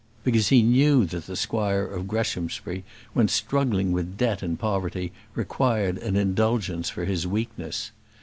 Because he knew that the squire of Greshamsbury, when struggling with debt and poverty, required an indulgence for his weakness.